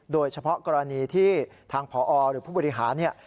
โดยเฉพาะกรณีที่ทางพอหรือพบเนี่ย